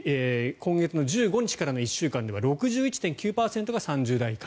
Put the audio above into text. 今月１５日からの１週間では６１．９％が３０代以下。